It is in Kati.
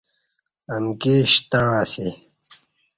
امکی شتݩع اسی